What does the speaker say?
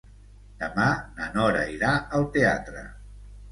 Demà na Nora irà al teatre.